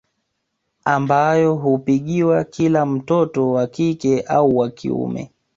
Ambayo hupigiwa kila mtoto wa kike au wa kiume